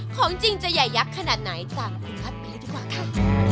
ของจริงจะใหญ่ยักษ์ขนาดไหนตามคุณพัฒน์พีชดีกว่าค่ะ